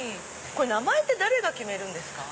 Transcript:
名前って誰が決めるんですか？